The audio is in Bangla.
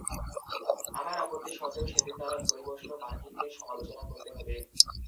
আমার আপত্তি সত্ত্বেও সেদিন তারা ধরে বসল মার্কিনদের সমালোচনা করতে হবে।